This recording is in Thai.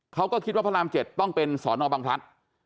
เขาก็คิดว่าพระราม๗ต้องเป็นสอนอบังพลัด